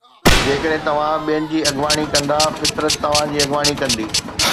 جيڪڏھن توھان ٻين جي اڳواڻي ڪندا، فطرت توھان جي اڳواڻي ڪندي